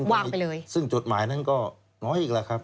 วางไปเลยซึ่งจดหมายนั้นก็น้อยอีกแล้วครับใช่ไหมคะวางไปเลย